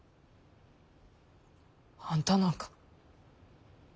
あんたなんか。